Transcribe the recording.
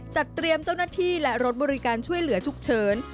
จัดเตรียมเจ้าหน้าที่และรถบริการช่วยเหลือฉุกเฉิน